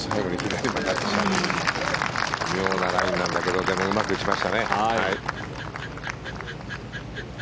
微妙なラインなんだけどでもうまく打ちましたね。